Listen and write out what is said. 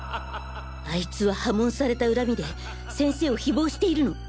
あいつは破門された恨みで先生を誹謗しているの。